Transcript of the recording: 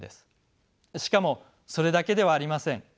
しかもそれだけではありません。